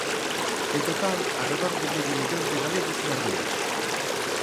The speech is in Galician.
En total, arredor de medio millón de galegos nas rúas.